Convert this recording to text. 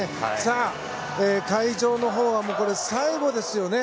会場のほうは最後ですよね。